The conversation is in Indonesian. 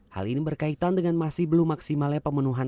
hal ini berkaitan dengan masih belum maksimalnya pemenuhan